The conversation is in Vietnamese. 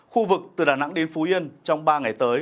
khu vực từ đà nẵng đến phú yên trong ba ngày tới